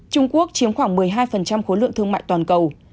trung quốc chiếm khoảng một mươi hai khối lượng thương mại toàn cầu